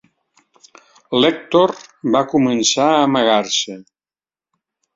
L'Èctor va començar a amargar-se.